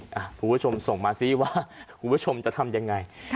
คุณผู้ชมส่งมาซิว่าคุณผู้ชมจะทำยังไง